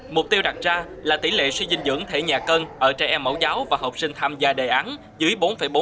mục tiêu đặt ra là tỷ lệ suy dinh dưỡng thể nhà cân ở trẻ em mẫu giáo và học sinh tham gia đề án dưới bốn bốn